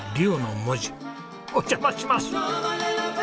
お邪魔します。